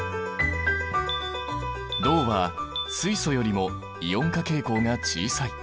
銅は水素よりもイオン化傾向が小さい。